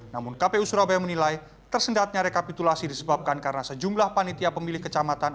namun kpu surabaya menilai tersendatnya rekapitulasi disebabkan karena sejumlah panitia pemilih kecamatan